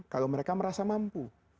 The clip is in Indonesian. kalau mereka merasa mampu